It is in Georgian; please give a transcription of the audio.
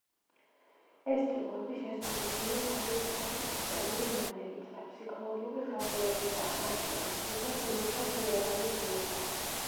ეს ტილოები შესრულებულია თავისუფალი ფერწერული მანერით და ფსიქოლოგიური ხასიათისაა, მათში გახსნილია გმირთა შინაგანი ბუნება.